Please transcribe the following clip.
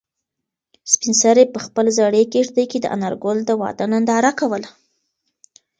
سپین سرې په خپلې زړې کيږدۍ کې د انارګل د واده ننداره کوله.